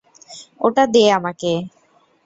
ওটা দে আমাকে।